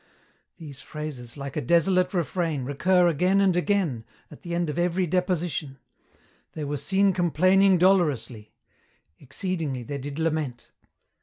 These phrases, like a desolate refrain, recur again and again, at the end of every deposition: 'They were seen complaining dolorously,' 'Exceedingly they did lament.'